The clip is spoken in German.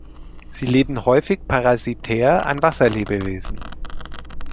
Sie leben häufig parasitär an Wasserlebewesen.